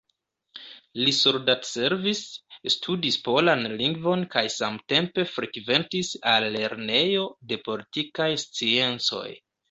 Li soldatservis, studis polan lingvon kaj samtempe frekventis al Lernejo de Politikaj Sciencoj.